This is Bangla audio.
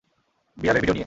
বিড়ালের ভিডিয়ো নিয়ে!